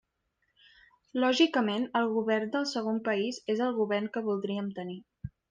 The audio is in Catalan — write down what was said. Lògicament, el govern del segon país és el govern que voldríem tenir.